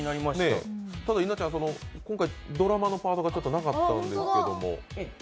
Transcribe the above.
ただ、いなちゃん、今回ドラマのパートがちょっとなかったんですけれども。